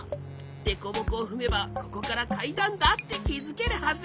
デコボコをふめばここからかいだんだってきづけるはず！